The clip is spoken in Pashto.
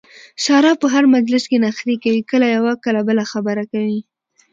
ساره په هر مجلس کې نخرې کوي کله یوه کله بله خبره کوي.